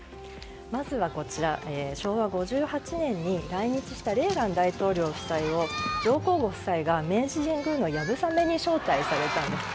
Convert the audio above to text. まずは、昭和５８年に来日したレーガン大統領夫妻を上皇ご夫妻が明治神宮の流鏑馬に招待されたんです。